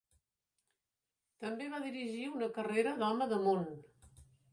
També va dirigir una carrera d'home de món.